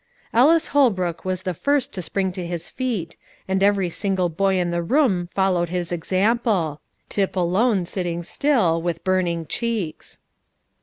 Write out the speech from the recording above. Ellis Holbrook was the first to spring to his feet, and every single boy in the room followed his example; Tip alone sitting still, with burning cheeks.